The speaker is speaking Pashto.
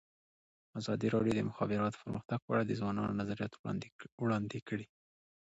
ازادي راډیو د د مخابراتو پرمختګ په اړه د ځوانانو نظریات وړاندې کړي.